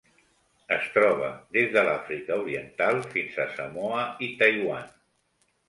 Es troba des de l'Àfrica Oriental fins a Samoa i Taiwan.